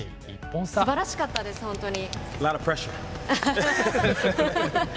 すばらしかったです、本当に。